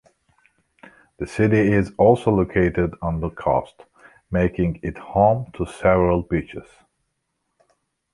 The city is also located on the coast, making it home to several beaches.